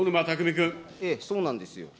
そうなんですよ。